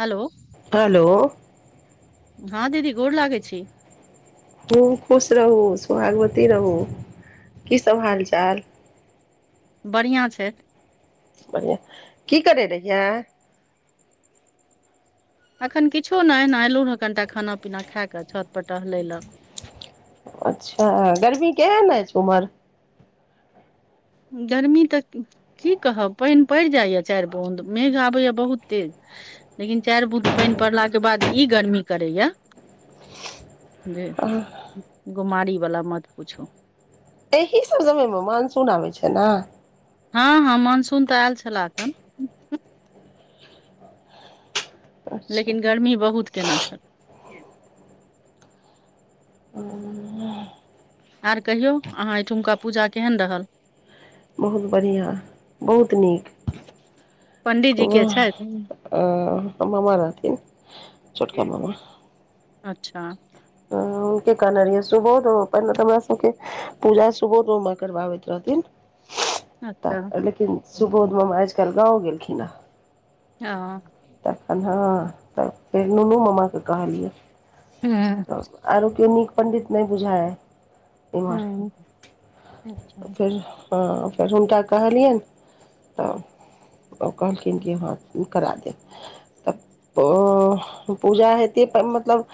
Hello hello हँ दीदी गोर लागै छी हुॅं खुश रहु सोहागवती रहु की सब हाल चाल बढ़िया छैय बढ़िया की करै रहियै अखन किछो नय एना एलहुँ ह कनिटा खाना पीना खा कऽ छत पर टहलय लए अच्छा गर्मी केहेन ऐछ उम्हर गरमी तक की कहब पाइन पैड़ जाइय चाइर बूंद मेघ आबैय बहुत तेज लेकिन चाइर बुद पाइन पड़लाके बाद इ गर्मी करैया जे गोमारी वाला मत पुछू एहि सब समय मे मानसून आबै छै ने हँ हँ मानसून तऽ आयल छलह एखन अच्छा लेकिन गर्मी बहुत केना छल आर कहियो अहाँ एहिठुमका पूजा केहन रहल बहु बढ़िया बहुत नीक पंडीजी के छथि अ मामा रहथिन छोटका मामा अच्छा नव के कहने रहिए सुबहु पहिले तऽ हमरा सबके पूजा सुबोध रुम मे करबाबैत रहथिन अच्छा तऽ लेकिन सुबोध मामा आज कल गाँव गेलखिन हेँ हँ तखन हँ तऽ फेर नुनू मामा के कहलियै तऽ आरो केओ नीक पण्डित नय बुझाय इम्हर फेर हँ फेर हुनका कहलियेन तऽ ओ कहलखिन कि हँ करा देब तऽ ओ पूजा हेती पर मतलब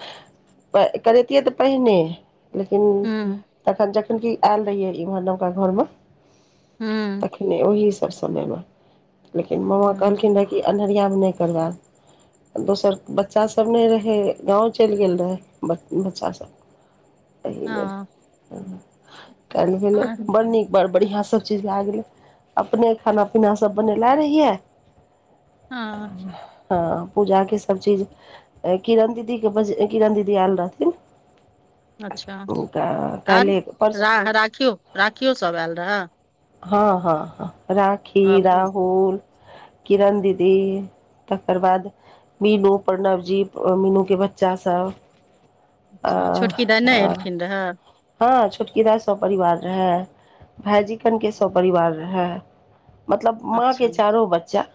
करैतियै तऽ पहिने लेकिन तखन जखन की आयल रहिये इम्हर नवका घर मे तखने ओहिस पर समय म लेकिन मामा हम्म, कहलखिन रे की कि अन्हरिया मे नय करबाय दोसर बच्चास सब नय रहै गाँव चैल गेल रहै ब बच्चा सब एहि लेल हँ कयलहि भेलै आर बड़ नीक बड़ बढ़िआँ सभ चीज भए गेलै अपने खाना पीना सभ बनने ला रहियै हँ हँ पूजाके सभ चीज किरण दीदीके बज किरण दीदी आयल रहथिन अच्छा, तऽ आर काल्हि परसू राखियो राखियओ सब आयल रहए? हँ हँ, हँ राखी, आब राहुल किरण दीदी, तकर बाद- मीनू, प्रणवजी, मीनूके बच्चा सभ अच्छा छोटकी दाइ नहि एलखिन रहए? हँ छोटकी दाइ सपरिवार रहए, भैजिकनके सपरिवार रहए। मतलब अच्छा माँके चारो बच्चा,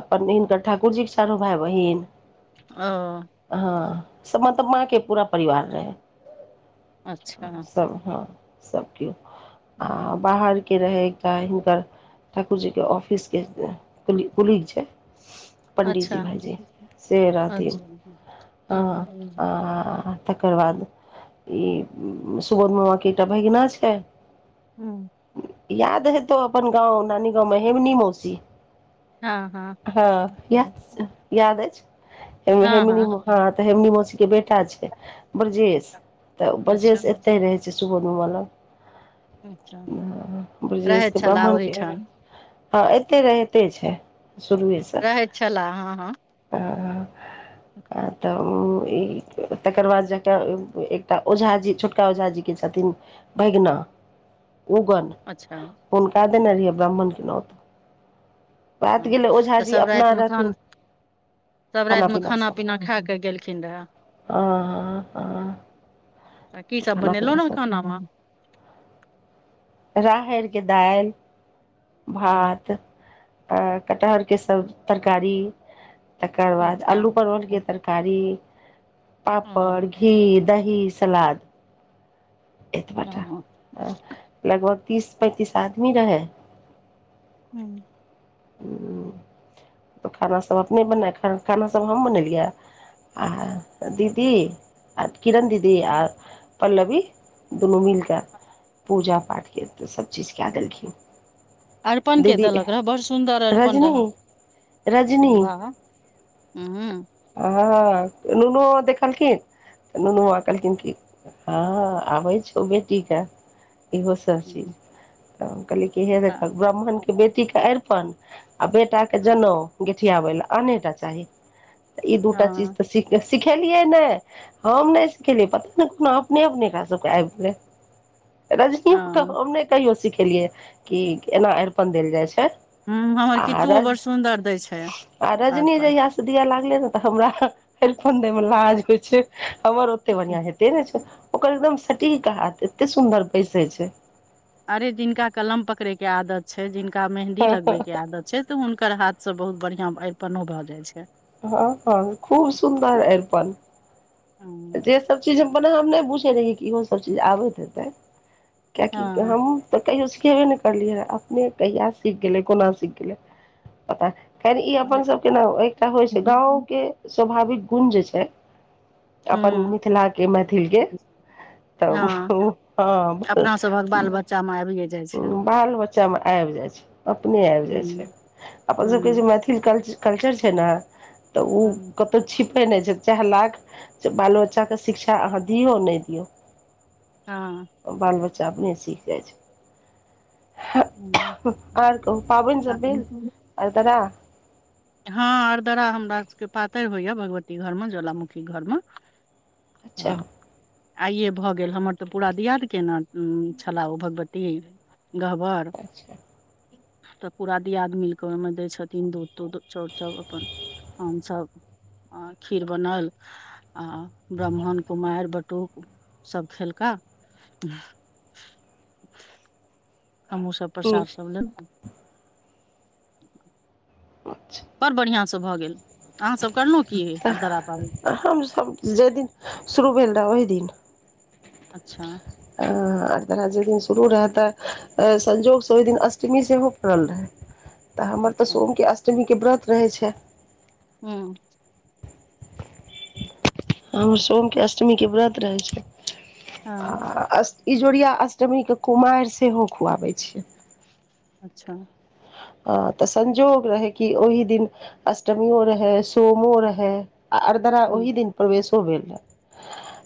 अपन हिनकर ठाकुरजीके चारो भाइ-बहिन ओ। हँ, मतलब माँके पूरा परिवार रहै। अच्छा। सब हँ, सब केओ आ हम्म, बाहरके रहै- ताह हिनकर ठाकुरजीके ऑफिसके कुली छै। पण्डितजी अच्छा भाइजी से रहथिन। अच्छा ओ हॅं, आ- तकर बाद ई सुबोध मामाके एकटा भगिना छै हँ। याद हेतौ अपन गाँव, नानी गाँवमे हेमनी मौसी हँ [unintelligible] याद अछि। हँ तॅं हेमनी मौसीके बेटा छै ब्रजेश तॅं अच्छा ब्रजेश एते- रहै छै सुबोध मामा लऽग, अच्छा रहैत छलाह ब्राह्मणकेॅं ओहिठाम हँ एते रहिते छै, शुरुए सॅं रहै छलाह, हँ हँ तॅं तकर बाद जाकऽ एकटा ओझाजी छोटका ओझाजीके छथिन भगिना उगन अच्छा। हुनका देने रहियनि ब्राह्मणकेॅं नोत हँ, तॅं सभ अपना रातिमे खान- रहथिन सभ खाना रातिमे पीना सब खाना-पीना खा कऽ गेलखिन रहए। हँ हँ हँ की सभ बनेनेरहुॅं खानामे? राहैरके दालि हूँ भात कटहरके सभ तरकारी- तकर बाद अच्छा अल्लू परवलके हँ तरकारी, पापड़, हँ घी, दही सलाद। एतबाटा, हूँ। लगभग तीस-पैंतीस आदमी रहै। हूँ। [unintelligible] तॅं खाना सभ अपने बनाय [unintelligible] खाना सभ हम बनेलियै आ- दीदी आ किरण दीदी आ पल्लवी दुनू मिलिकऽ पूजा-पाठ केलखिन, सभ चीज कए देलखिन अरिपनके दीदी देलक रहय बड़ सुन्दर अरिपन रजनी रहय? रजनी बाह, हँ हँ, नुनु बाबा देखलखिन तॅं नुनु बाबा कहलखिन की हँ आबै छौ बेटीके इहो सब हूँ चीज- तॅं कहलियै की हे आ- देखक ब्राह्मणके बेटीकेॅं अरिपन आ बेटाकेँ हँ जनौउ- गेठियाबै लए आने टा चाही, ई दूटा चीज हँ तॅं- सिखेलियै नहि, हम नहि सिखेलियै पता ने कोनो अपने-अपने कऽ सिखल- रूक आबि गेलै रजनीके हँ। हम नइ कहियो सिखेलियै कि एना अरिपन देल जाइ छै हूँ हमर आर किट्टुओ बड़ सुन्दर दै छै आ रजनी अरिपन जहिया स दिय लागलै ने तऽ हमरा अरिपन देै मे लाज होइ छै अवर ओते बढ़ियाँ हेते ने छै ओकर एकदम सटीक हाथ एते सुन्दर बैसे छै अरे जिनका कलम पकड़े के आदत छै जिनका मेहन्दी लगबे के आदत छै तऽ हुनकर हाथसँ बहुत बढ़ियाँ अरिपनो भऽ जाइ छै हँ हँ खूब सुन्दर एरपन हँ सबचीज हम मने हम नय बुछै रहियै कि ओहो सबचीज आबैत हेतै किएकि हम तऽ कहियो सिखेबे नय करलियै अपने कहिया सीख गेलै कोना सीख गेलै पता नय खैर ई अपन सब के न एकटा होइ छै गाँंव हँ के स्वाभाविक गुण जे छै अपन हूँ मिथिला के मैथिल के तब हँ हँ अपना सभक बाल बच्चा मे आबिये जाइ छै बाल बच्चामे आबि जाइ छै अपने आबि हूँ जाइ छै अपन सबके हूँ जे मैथिल कल्चर छै ने तऽ ओ हूँ कतहु छिपै नय छै चाहे लाख बाल बच्चाके शिक्षा अहाँ दियौ नय दियौ हँ बाल बच्चा अपने सीख जाय छै हूँ आर कहुँ पाबैन सब भेल अरदरा हँ अरदरा हमरा सभके पातरि होइए भगवती घरमे ज्वालामुखी घरमे अच्छा हँ आइए भऽ गेल हमर तऽ पूरा दियाद केना छलाह ओ भगवती गहबर अच्छा तऽ पूरा दियाद मिलक ओहिमे दय छथिन दूध तूध चौर सभ अपन आमसभ आ खीर बनल आ ब्राह्मण कुमारि बटूक सभ खेलका हमहुँ सब हूँ प्रसाद सब लेलौं अच्छा बड़ बढ़ियाँसँ भऽ गेल अहाँसभ करलौं की अरदरा पाबनि हमसभ जाहि दिन शुरू भेल रहै ओहि दिन अच्छा आ अरदरा जहि दिन शुरू रहत संजोग से ओहि दिन अष्टमी से हो पड़ल रहै, तऽ हमर तऽ अच्छा सोमके अष्टमीके व्रत रहै छै, हुँ हमर सोमके अष्टमी के व्रत रहै छै हँ आ इजोरिया अष्टमीके कुमारि सेहो खुआबै छियै अच्छा हँ तऽ संजोग रहै कि ओहि दिन अष्टमीयो रहै सोमो रहै आ अरदरा हूँ ओहि दिन प्रवेशो भेल रहए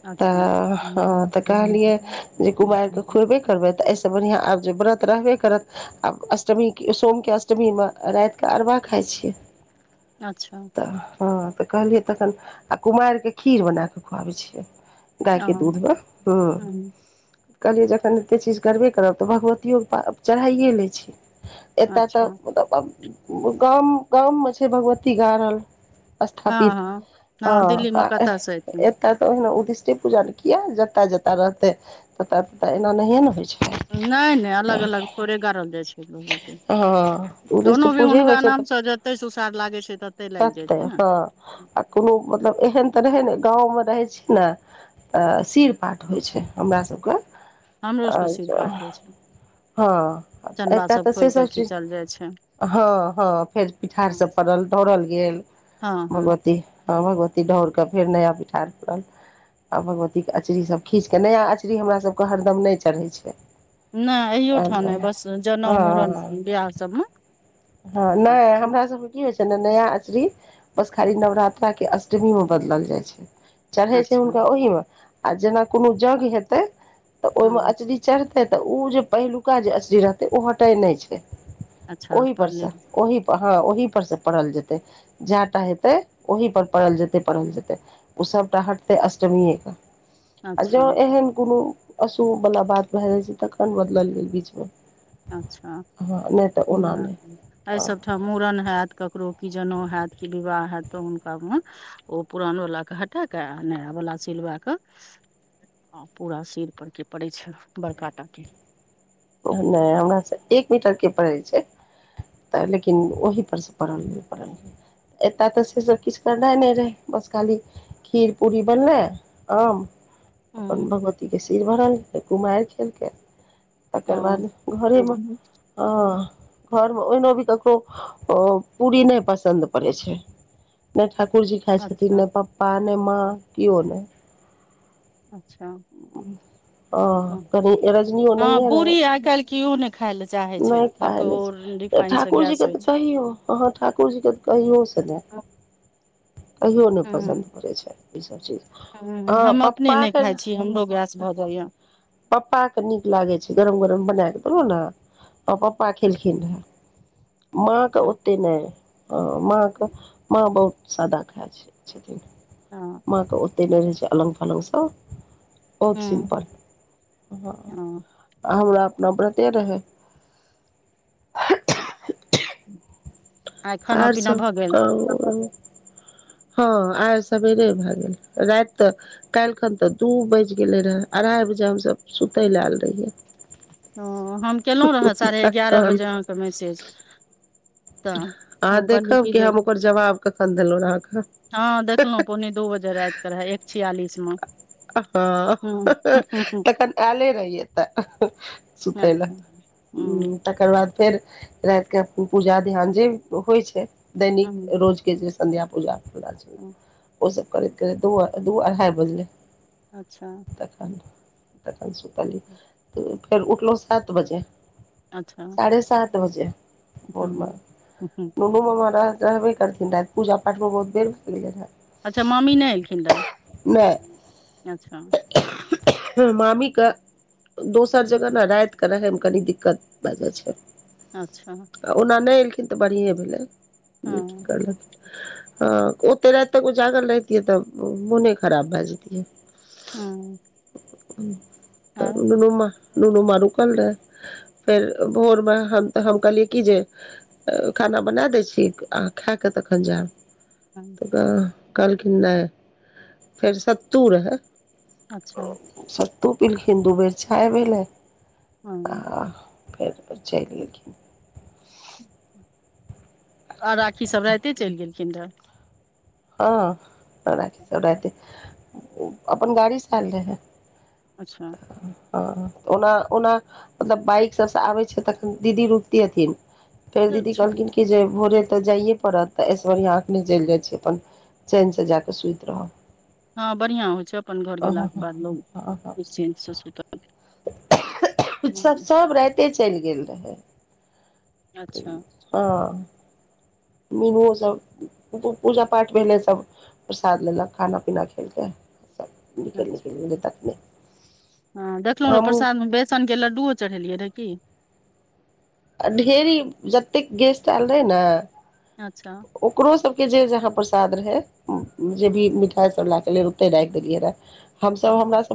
अच्छा तऽ हँ तऽ कहलियै जे कुमारके खुुएबे करबै तऽ एहिसँ बढ़ियाँ आब जे व्रत रहबे करत आब अष्टमी सोम के अष्टमी मे रातिके अरवा खाइ छियै, अच्छा। तऽ हँ तऽ कहलियै तखन आ कुमारिक के खीर बना कऽ खुआबै छियै, गायके दूध हँ मे हुँ। हूँ कहलियै जखन एतेक चीज करबे करब तऽ भगवतियो के प चढ़ाइए लै छी एतय तऽ अच्छा मतलब गाम गाम में छै भगवती गाड़ल हँ स्थापित हँ हँ दिल्लीमे कतयसँ एथिन [unintelligible] तऽ ते ओहिने उद्दिष्टे पूजा ने किया जताे जताे रहते ततऽ ततऽ एना नहिये नै होइ छै नय नय अलग अलग थोड़े गाड़ल जा छै लो हँ उदिष् पूजे होइ छै तऽ नामसँ जते सुसार लागै छै लागि जाइ तते छै ने हँ आ कोनो मतलब एहन तऽ रहै ने गाँमे रहै छी न सिर पाट होइ छै हमरा सब कऽ हमरो सबके सिर अच्छा पाठ होइ छै हँ चनबा ऐत तऽ से खोलि सब कऽ खींचल जाइ छै हँ हँ फेर पिठार हँ सब पड़ल दौड़ल गेल हँ हँ भगवती ह भगवती ढोर कऽ फेर नया पिठार परल आ भगवती के अचरी सब खींच कऽ नया अचरी हमरा सबके हरदम नय चढ़ै छै नय एयो हँ ठाम नै बस जनेउ मुड़न बिवाह सबमे हँ नय हमरा सबके की होइ छै ने नया अचरी बस खाली नवरात्र के अष्टमी मे बदलल जाइ छै चढ़ै छै अच्छा हुनका ओहिमे आ जेना कोनो जग हेते तऽ ओहिमे ह अचरी चढ़ते ते उ जे पहिलुका जे असी रहते ओ हटे नय छै अच्छा ओहि पर से पनीर ओहि पर हँ ओहि पर से पढ़ल जेतै जाटा हेतै ओहि पर से पढ़ल जेतै पढ़ल जेतै उस सबटा हटते अष्टमीये कऽ आ जै अच्छा एहन कोनो अशुभ वला बात भए जाइ छै तखन बदलल गेल बीचमे अच्छा हँ नहि तऽ ओना नहि नय आय सब मूड़न हैत ककरो की जनेउ हैत कि विवाह हैत तऽ हुनका मे ओ पुरान वला के हटा कऽ आ नया वला सिलबेक हँ पूरा सिर परके पड़ैत छै बड़का टाके नय हमर से एक मीटर के पड़ै छै तऽ लेकिन ओहिपर से पड़ल नय पड़ल एतय तऽ से सब किछ करना नय रहै बस खाली खीर पुरी बनबै आम अपन ह भगवतीके सिर भरल जेतै कुमैर खेल कऽ तकर बाद ह घरे मे ह घर मे ओहिनो भी ककरो पूड़री नय पसन्द पड़ै छै नय ठाकुरजी खा छथिन अच्छा नय पप्पा ने माँ किओ नय अच्छा [inaudible] आ कनी रजनी ओ हँ नहिये पूरी आइ काल्हि केओ नहि खाय लए चाहै छै रहे सबके ओ खायलैछै रिफाइन से ठाकुरजी क गैस होइ तऽ छै कहयो हँ हँ ठाकुर जीके तऽ कहियो सँ नय कहियो नय पसन्द पड़ै छै ई सब चीज ह हँ हम अपने नय पप्पाके खाय छी हमरो गैस भए जाइय पप्पा के नीक लागै छै गरम गरम बनेय कऽ देलो नऽ हँ पप्पा खेलखिन रेहा माँ के अच्छा ओते नय हऽ माँ क माँ बहुत सादा खाय छैय छथिन हँ माँ के ओते नय रहैत छै अलङ्ग फलङ्ग स बहुत हँ सिम्पल हँ आ हमरा अपना व्रते रहै आइ खाना आओर पीना सब भऽ गेल कहु हँ आर सबेरे भे गेल रैत तऽ। कैल खन तऽ दू बाजि गेलै रहए अढ़ाइ बजे हमसभ सुतै ल आयल रहियै। हँ हम कलौ रहए साढ़े एगारह तखन बजे अहाँके मैसेज। तऽ अहाँ हम कहलीयै देखब कि जे हम ओकर जवाब कखन देलहुँ अहाँके हँ देखलौ पौने दू बजे रैत के रहै एक छियालिस मे हँ हँ तखन एले रही एतऽ। सुतै लऽ अच्छा हँ तकर बाद फेर रैत के पूजा ध्यान जे होइ छै। हँ दैनिक रोज के जे संध्या पूजा फ ओस करैत करैत दू अढ़ाइ बजलै। अच्छा। तखन तखन सुतलीयै तऽ फेर उठलौ सात बजे। अच्छा सारहे सात बजे भोर में हँ हँ [unintelligible] रहबे करथिन रह पूजा पाठ में बहुत देर भ गेलै रहै अच्छा मम्मी नै एलखिन रहऽ अच्छा। मामी क दोसर जगह ने रैत कऽ रहैमे कनी दिक्कत भए जाइ छै। अच्छा। आ ओना नै एलखिन तऽ बढ़िए भेलै। हँ नीके करलखिन ह ओते रैत तक उजागल रहतियै तऽ मुने खराब भे जैतीऐ। हँ। त आर नूनू म नूनू मा रूकाल रहै फेर भोरमे हम कहलियए कीजे। खाना बना दै छी। अहा खेकऽ तखन जेअब हँ। कहलखिन नै फेर सत्तू रहै अच्छा सत्तू पीलखिन दू बेर छाय भेलै। आ हँ। फेर चैल गेलखिन। आ राखी सब राइते चैल गेलखिन रह हँ राखी सब रैते अपन गाड़ीसँ एल रहे अच्छा। ह त ओना ओना। मतलब बाइक सबसँ आबै छै। तखन दीदी रुकती हथिन। फेर दीदी अच्छा कहलखिन कि जे भोरे तऽ जैए पड़त त ऐसे बरहीया एखने चैल जाइ छी। अपन चैन से जााकऽ सुइत‌ रहब। हँ बढ़िआँ होइ छै। अपन घर गेलाके बाद लोग नि्चिन्सँ सुतल सब हूँ स ओते चैल गेल रहै अच्छा हँ। मीनूओ सब पूजा पाठ भेलै। सभ प्रसाद लेलक खाना पीना खेलकै सभ निकल निकल अच्छा गेले तखने हँ देखलहुँ रह हमहूँ प्रसादमे बेसनके लड्डुओ चढ़ेलियै रहए की। आ ढेरी जतेक गेस्ट ऐल रहै नऽ अच्छा। ओकरो सभके जे जहाँ प्रसाद रहै- जे भी मिठाइ सब लाएके आएल रहै ओतहि राखि देलियै रहए, हम सभ हमरा सभ-